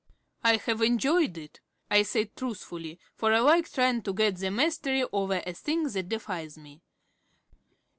"I have enjoyed it," I said truthfully, for I like trying to get the mastery over a thing that defies me.